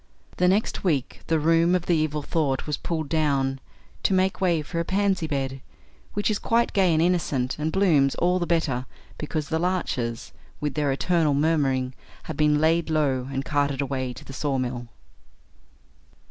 The next week the room of the Evil Thought was pulled down to make way for a pansy bed, which is quite gay and innocent, and blooms all the better because the larches, with their eternal murmuring, have been laid low and carted away to the sawmill.